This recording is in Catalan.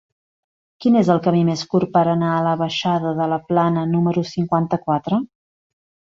Quin és el camí més curt per anar a la baixada de la Plana número cinquanta-quatre?